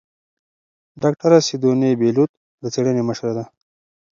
ډاکتره سیدوني بېلوت د څېړنې مشره ده.